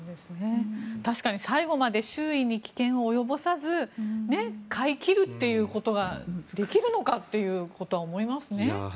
確かに最後まで周囲に危険を及ぼさず飼い切るということができるのかということは思いますね。